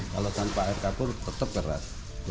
kalau tanpa air kapur tetap deras